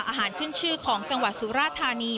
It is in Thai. อาหารขึ้นชื่อของจังหวัดสุราธานี